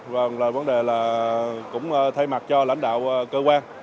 và vấn đề là cũng thay mặt cho lãnh đạo cơ quan